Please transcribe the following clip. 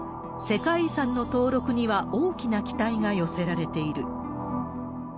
世界遺産の登録には大きな期待が寄せられている。